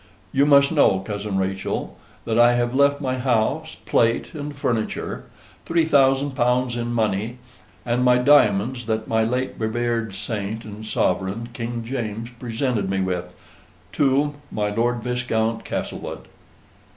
You must know, Cousin Rachel, that I have left my house, plate, and furniture, three thousand pounds in money, and my diamonds that my late revered Saint and Sovereign, King James, presented me with, to my Lord Viscount Castlewood."